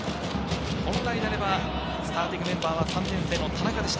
本来であればスターティングメンバーは３年生の田中でした。